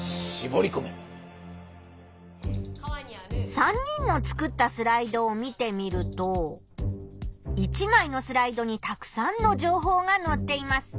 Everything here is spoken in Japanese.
３人の作ったスライドを見てみると１まいのスライドにたくさんの情報がのっています。